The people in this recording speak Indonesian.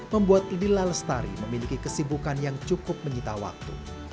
membuat lila lestari memiliki kesibukan yang cukup menyita waktu